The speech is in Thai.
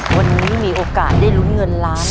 วันนี้มีโอกาสได้ลุ้นเงินล้าน